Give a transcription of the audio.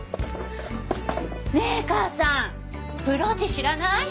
ねえ母さんブローチ知らない？